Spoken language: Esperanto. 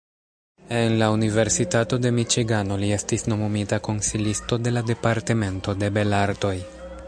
En la Universitato de Miĉigano li estis nomumita konsilisto de la departamento de belartoj.